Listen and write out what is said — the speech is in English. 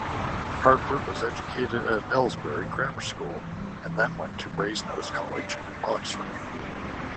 Harford was educated at Aylesbury Grammar School and then at Brasenose College, Oxford.